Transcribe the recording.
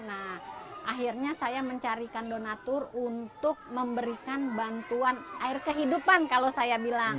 nah akhirnya saya mencarikan donatur untuk memberikan bantuan air kehidupan kalau saya bilang